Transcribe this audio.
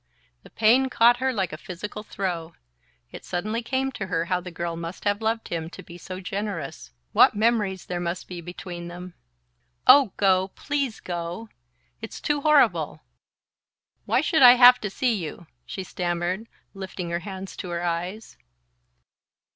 The pain caught her like a physical throe. It suddenly came to her how the girl must have loved him to be so generous what memories there must be between them! "Oh, go, please go. It's too horrible. Why should I have to see you?" she stammered, lifting her hands to her eyes.